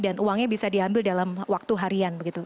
dan uangnya bisa diambil dalam waktu harian begitu